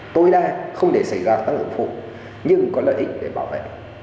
tối đa không để xảy ra tác động phụ nhưng có lợi ích để bảo vệ